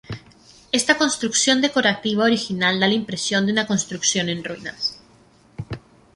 Esta construcción decorativa original da la impresión de una construcción en ruinas.